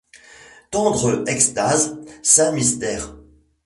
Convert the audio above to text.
Tendre extase ! saint mystère !